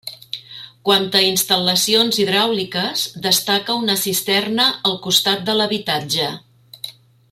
Quant a instal·lacions hidràuliques destaca una cisterna al costat de l’habitatge.